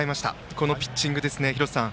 このピッチング、廣瀬さん